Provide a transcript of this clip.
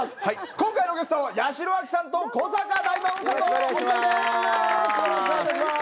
今回のゲスト八代亜紀さんと古坂大魔王さんのお二人です。